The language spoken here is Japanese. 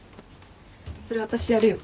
それ私やるよ。